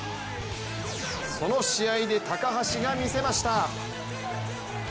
その試合で、高橋が見せました。